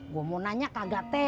gue mau nanya kagak teh